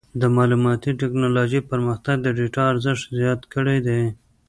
د معلوماتي ټکنالوجۍ پرمختګ د ډیټا ارزښت زیات کړی دی.